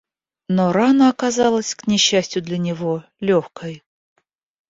Но рана оказалась, к несчастью для него, легкой.